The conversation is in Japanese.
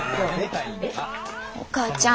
お母ちゃん。